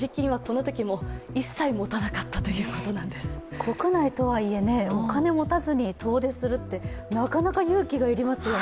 国内とはいえ、お金を持たずに遠出するって、なかなか勇気が要りますよね。